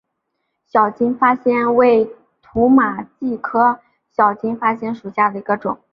小金发藓为土马鬃科小金发藓属下的一个种。